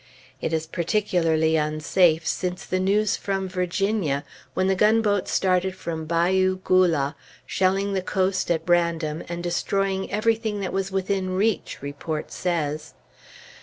It is particularly unsafe since the news from Virginia, when the gunboats started from Bayou Goula, shelling the coast at random, and destroying everything that was within reach, report says.